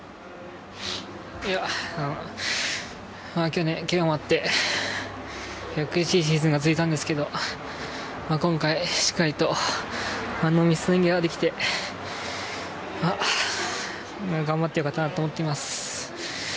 去年、怪我もあって苦しいシーズンが続いたんですけど今回、しっかりとノーミスで演技ができて頑張ってよかったなと思っています。